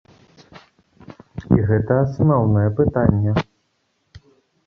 І гэта асноўнае пытанне.